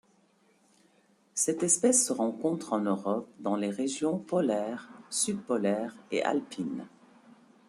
Cette espèce se rencontre en Europe dans les régions polaire, sub-polaire et alpine.